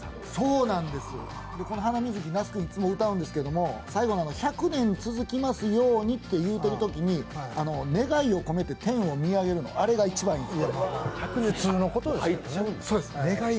この「ハナミズキ」、那須君いつも歌うんですけども最後の「百年続きますように」と言うてるときに願いを込めて天を見上げるあれが一番いいです。